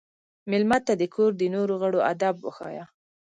مېلمه ته د کور د نورو غړو ادب وښایه.